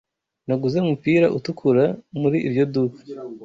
Naguze umupira utukura muri iryo duka